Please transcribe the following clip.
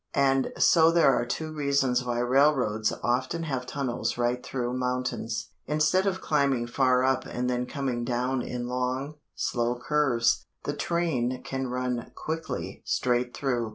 And so there are two reasons why railroads often have tunnels right through mountains. Instead of climbing far up and then coming down in long, slow curves, the train can run quickly straight through.